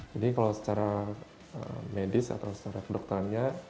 jadi kalau secara medis atau secara kedokterannya